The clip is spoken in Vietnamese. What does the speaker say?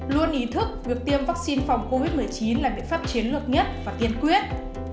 luôn ý thức việc tiêm vaccine phòng covid một mươi chín là biện pháp chiến lược nhất và tiên quyết